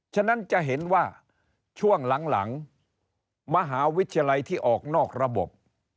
ฉะนั้นจะเห็นว่าช่วงหลังมหาวิทยาลัยที่ออกนอกระบบ